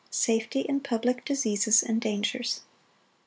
Safety in public diseases and dangers.